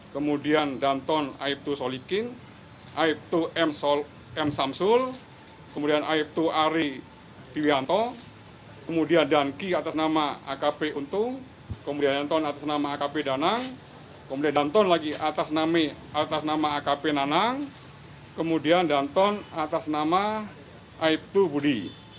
kemudian dantun lagi atas nama akp nanang kemudian dantun lagi atas nama akp budi